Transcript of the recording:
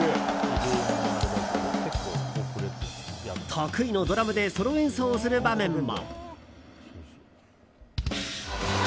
得意のドラムでソロ演奏をする場面も。